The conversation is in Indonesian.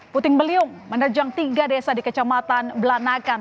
puting beliung menerjang tiga desa di kecamatan belanakan